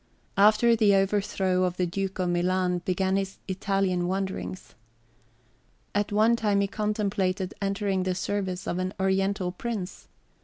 After the overthrow of the Duke of Milan, began his Italian wanderings. At one time he contemplated entering the service of an Oriental prince.